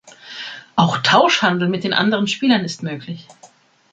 Auch Tauschhandel mit den anderen Spielern ist möglich.